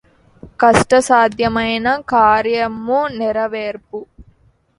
కష్టసాధ్యమైన కార్యమ్ము నెరవేర్ప